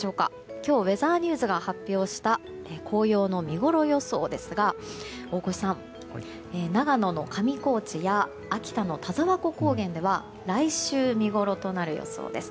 今日ウェザーニューズが発表した紅葉の見ごろ予想ですが大越さん、長野の上高地や秋田の田沢湖高原では来週、見ごろとなる予想です。